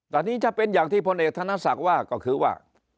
ตอนนี้ถ้าเป็นอย่างที่พลเอกธนศักดิ์ว่าก็คือว่า